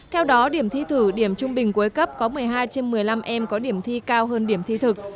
theo đó điểm thi thử điểm trung bình cuối cấp có một mươi hai trên một mươi năm em có điểm thi cao hơn điểm thi thực